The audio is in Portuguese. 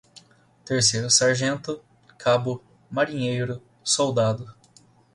Terceiro-Sargento, Cabo, Marinheiro, Soldado